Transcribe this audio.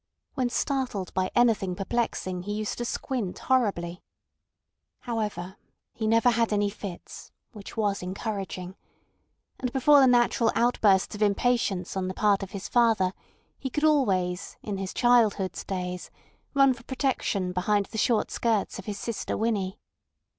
When startled by anything perplexing he used to squint horribly. However, he never had any fits (which was encouraging); and before the natural outbursts of impatience on the part of his father he could always, in his childhood's days, run for protection behind the short skirts of his sister Winnie.